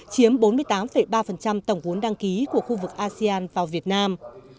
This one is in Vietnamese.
chiếm bốn mươi tám ba tổng vốn đăng ký của khu vực asean vào việt nam